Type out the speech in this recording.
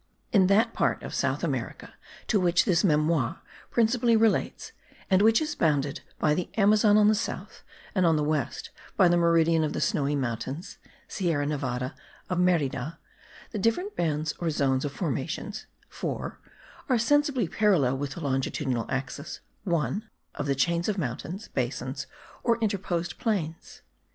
In that part of South America to which this memoir principally relates, and which is bounded by the Amazon on the south, and on the west by the meridian of the Snowy Mountains (Sierra Nevada) of Merida, the different bands or zones of formations (4) are sensibly parallel with the longitudinal axis (1) of the chains of mountains, basins or interposed plains.